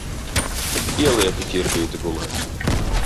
Ielieku Ķirbīti gulēt.